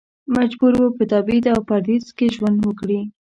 مجبور و په تبعید او پردیس کې ژوند وکړي.